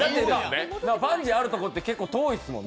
バンジーあるところって結構遠いですもんね。